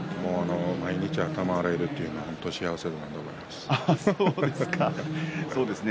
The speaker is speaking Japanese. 毎日、頭を洗えるというのは幸せなことだと思います。